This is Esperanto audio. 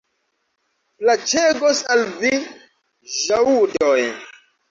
Plaĉegos al vi ĵaŭdoj.